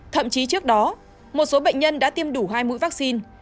thậm chí trước đó một số bệnh nhân đã tiêm đủ hai mũi vaccine